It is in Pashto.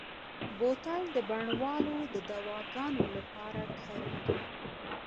بوتل د بڼوالو د دواګانو لپاره کارېږي.